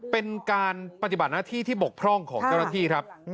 เป็นการปฏิบัติหน้าที่ที่บกพร่องของเจ้าหน้าที่ครับ